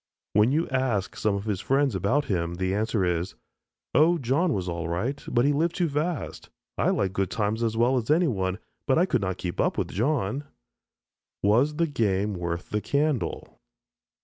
When you ask some of his friends about him, the answer is, "Oh, John was all right, but he lived too fast. I like good times as well as anyone, but I could not keep up with John." Was the game worth the candle?